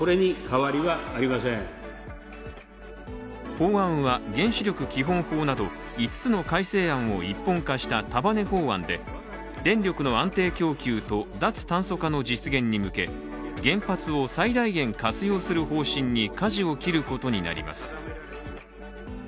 法案は原子力基本法など５本の改正案を一本化した束ね法案で、電力の安定供給と脱炭素化の実現に向け原発を最大限活用する方針にかじを切ることになります。